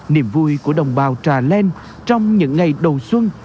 niềm vui của đồng bào trà len trong những ngày đầu xuân